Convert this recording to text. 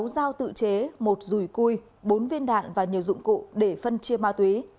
sáu dao tự chế một rùi cui bốn viên đạn và nhiều dụng cụ để phân chia ma túy